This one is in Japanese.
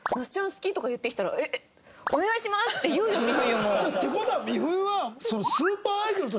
「好き」とか言ってきたら「お願いします！」って言うよ美冬も。って事は美冬は。